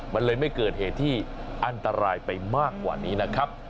มันเลยไม่เกิดเหตุที่อันตรายไปมากกว่านี้นะครับ